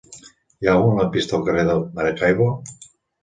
Hi ha algun lampista al carrer de Maracaibo?